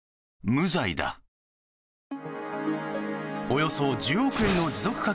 およそ１０億円の持続化